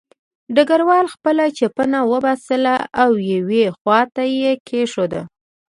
ډګروال خپله چپنه وباسله او یوې خوا ته یې کېښوده